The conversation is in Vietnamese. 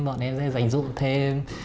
bọn em sẽ giành dụ thêm